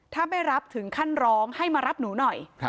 ถ้าไม่รับถึงขั้นร้องให้มารับหนูหน่อย